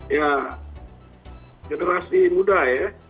ya generasi muda ya